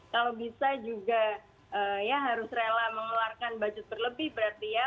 kalau bisa juga ya harus rela mengeluarkan budget berlebih berarti ya